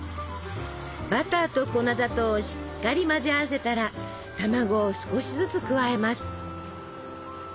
バターと粉砂糖をしっかり混ぜ合わせたら卵を少しずつ加えます。